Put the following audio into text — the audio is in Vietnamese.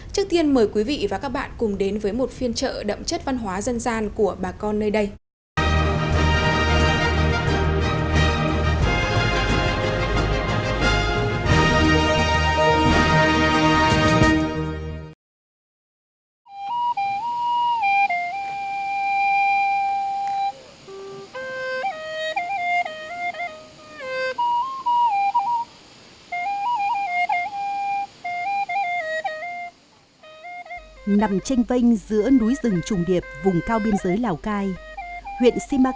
trước tiên mời quý vị và các bạn cùng đến với một phiên chợ đậm chất văn hóa dân gian của bà con nơi đây